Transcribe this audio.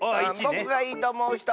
ぼくがいいとおもうひと！